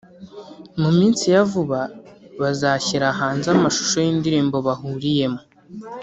mu minsi ya vuba bazashyira hanze amashusho y'indirimbo bahuriyemo